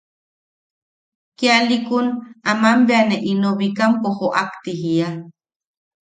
Kialiʼikun amak bea ne ino Bikampo joʼak ti jijia.